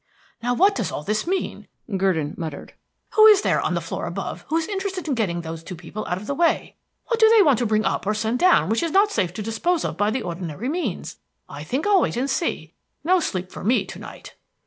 "Now what does all this mean?" Gurdon muttered. "Who is there on the floor above who is interested in getting these two people out of the way? What do they want to bring up or send down which it is not safe to dispose of by the ordinary means? I think I'll wait and see. No sleep for me to night."